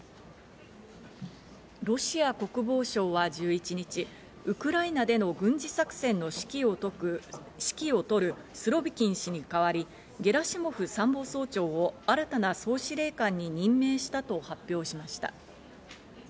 ロシア国防省は１１日、ウクライナでの軍事作戦の指揮を執るスロビキン氏に代わり、ゲラシモフ参謀総長を新たな総司令官に任命したと発表しました。